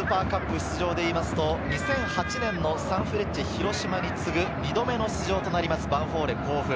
出場でいうと、２００８年のサンフレッチェ広島に次ぐ２度目の出場となります、ヴァンフォーレ甲府。